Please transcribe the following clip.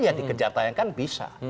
ya dikejar tayangkan bisa